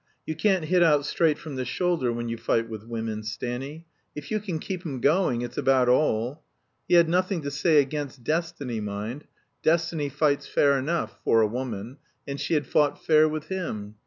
You can't hit out straight from the shoulder when you fight with women, Stanny. If you can keep 'em going, it's about all. He had nothing to say against Destiny, mind. Destiny fights fair enough (for a woman), and she had fought fair with him.